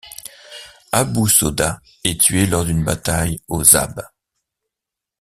Abou Soda est tué lors d’une bataille au Zab.